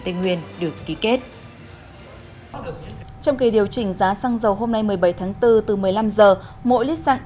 tây nguyên được ký kết trong kỳ điều chỉnh giá xăng dầu hôm nay một mươi bảy tháng bốn từ một mươi năm giờ mỗi lít xăng